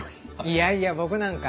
いやいや僕なんか。